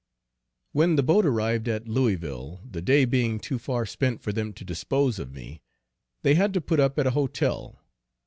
_ When the boat arrived at Louisville, the day being too far spent for them to dispose of me, they had to put up at a Hotel.